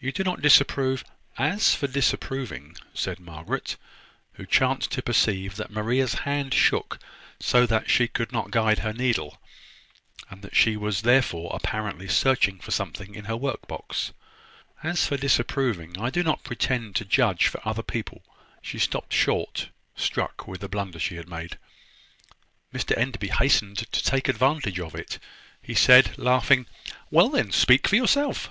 You do not disapprove " "As for disapproving," said Margaret, who chanced to perceive that Maria's hand shook so that she could not guide her needle, and that she was therefore apparently searching for something in her work box, "as for disapproving, I do not pretend to judge for other people " She stopped short, struck with the blunder she had made. Mr Enderby hastened to take advantage of it. He said, laughing: "Well, then, speak for yourself.